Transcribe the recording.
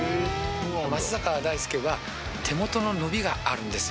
松坂大輔は、手元の伸びがあるんですよ。